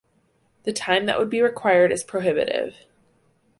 The time that would be required is prohibitive.